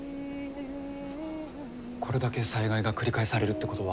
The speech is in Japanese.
これだけ災害が繰り返されるってことは。